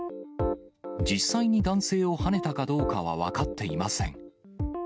実際に男性をはねたかどうかは分かっていません。